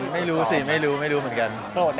ไม่รู้ไม่รู้เหมือนกัน